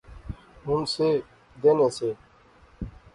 ہن سے دینے سے